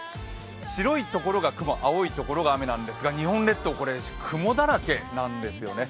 白いところが雲、青いところが雨なんですが日本列島、雲だらけなんですよね。